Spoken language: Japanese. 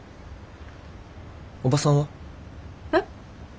おばさんは？えっ？